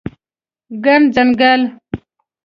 ګڼ ځنګل